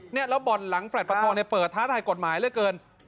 เนี่ยแล้วบ่นหลังแฟลตปฐเนี่ยเปิดท้าทายกฎหมายเรื่อยเกิน